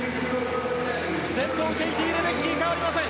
先頭はケイティ・レデッキー変わりません。